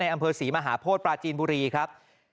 อำเภอศรีมหาโพธิปราจีนบุรีครับ